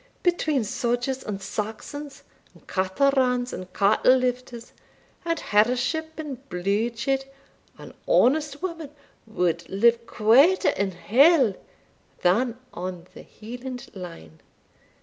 Between sogers and Saxons, and caterans and cattle lifters, and hership and bluidshed, an honest woman wad live quieter in hell than on the Hieland line."